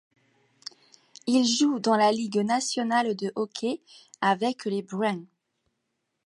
Il joue dans la Ligue nationale de hockey avec les Bruins.